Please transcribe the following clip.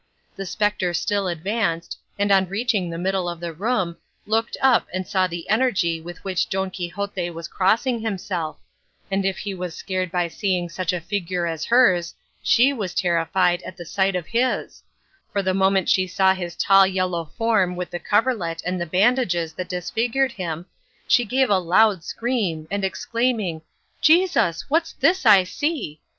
The spectre still advanced, and on reaching the middle of the room, looked up and saw the energy with which Don Quixote was crossing himself; and if he was scared by seeing such a figure as hers, she was terrified at the sight of his; for the moment she saw his tall yellow form with the coverlet and the bandages that disfigured him, she gave a loud scream, and exclaiming, "Jesus! what's this I see?"